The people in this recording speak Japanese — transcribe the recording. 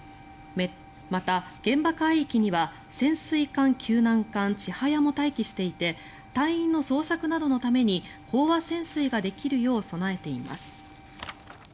また、現場海域には潜水艦救難艦「ちはや」も待機していて隊員の捜索などのために飽和潜水ができるよう備えています。